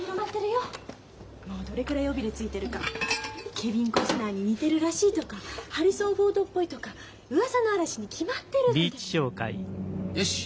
ケビン・コスナーに似てるらしいとかハリソン・フォードっぽいとかうわさの嵐に決まってるって。よしっ。